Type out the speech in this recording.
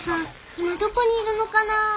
今どこにいるのかな？